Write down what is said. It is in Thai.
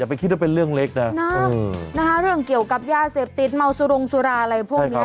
ไปคิดว่าเป็นเรื่องเล็กนะเรื่องเกี่ยวกับยาเสพติดเมาสุรงสุราอะไรพวกนี้